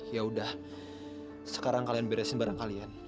yaudah sekarang kalian beresin barang kalian